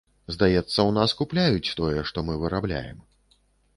Здаецца, у нас купляюць тое, што мы вырабляем.